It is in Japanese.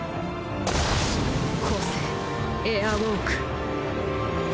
個性エアウォーク